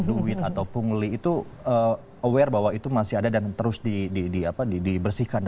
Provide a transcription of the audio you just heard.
duit atau pungli itu aware bahwa itu masih ada dan terus dibersihkan